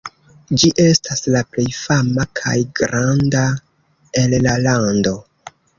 Ĝi estas la plej fama kaj granda el la lando.